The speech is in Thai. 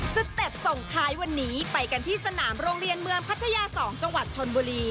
เต็ปส่งท้ายวันนี้ไปกันที่สนามโรงเรียนเมืองพัทยา๒จังหวัดชนบุรี